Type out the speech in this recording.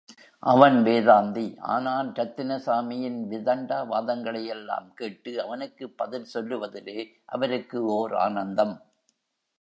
அவன் வேதாந்தி ஆனால் ரத்தினசாமியின் விதண்டாவாதங்களையெல்லாம் கேட்டு, அவனுக்குப் பதில் சொல்லுவதிலே அவருக்கு ஓர் ஆனந்தம்.